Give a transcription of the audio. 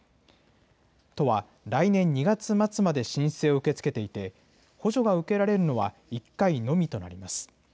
都は来年２月末まで申請を受け付けていて、補助が受けられるのは１回のみとなります。